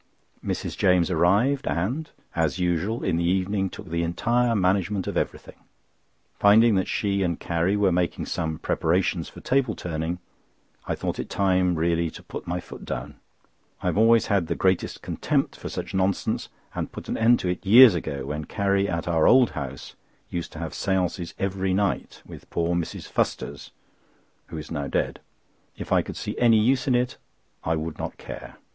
Mrs. James arrived and, as usual, in the evening took the entire management of everything. Finding that she and Carrie were making some preparations for table turning, I thought it time really to put my foot down. I have always had the greatest contempt for such nonsense, and put an end to it years ago when Carrie, at our old house, used to have séances every night with poor Mrs. Fussters (who is now dead). If I could see any use in it, I would not care.